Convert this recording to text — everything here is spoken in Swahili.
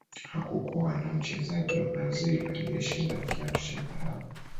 hakukuwa na mchezaji wa brazil aliyeshinda kiatu cha dhahabu